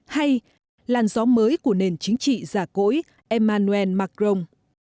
hay làn gió mới của nền chính trị giả cỗi emmanuel macron